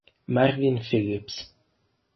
Marvin Phillips